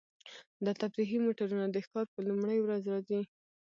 دا تفریحي موټرونه د ښکار په لومړۍ ورځ راځي